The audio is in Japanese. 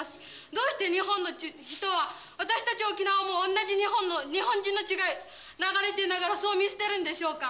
どうして日本の人は、私たち沖縄も同じ日本人の血が流れていながら、そう見捨てるんでしょうか。